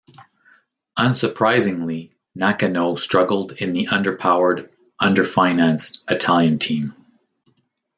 Unsurprisingly, Nakano struggled in the under-powered, under-financed Italian team.